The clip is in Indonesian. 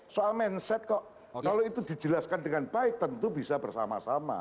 soal mindset kok kalau itu dijelaskan dengan baik tentu bisa bersama sama